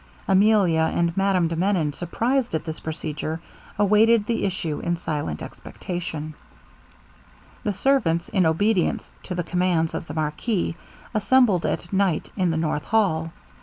Emilia and Madame de Menon, surprised at this procedure, awaited the issue in silent expectation. The servants, in obedience to the commands of the marquis, assembled at night in the north hall.